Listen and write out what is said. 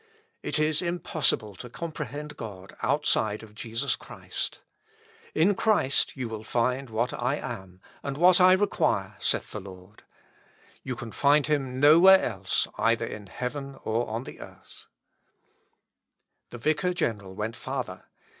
It is impossible to comprehend God out of Jesus Christ. In Christ you will find what I am, and what I require, saith the Lord. You can find him nowhere else, either in heaven or on the earth." Luth. Op. (W.) xxii., p. 489. The vicar general went farther.